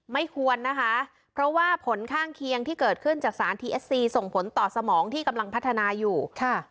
ไม่ควรนะคะเพราะว่าผลข้างเคียงที่เกิดขึ้นจากสารทีเอสซีส่งผลต่อสมองที่กำลังพัฒนาอยู่ค่ะ